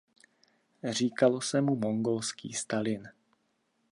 Říkalo se mu „mongolský Stalin“.